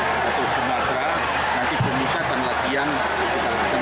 atau sumatera nanti pemusatan latihan kita bisa menjelaskan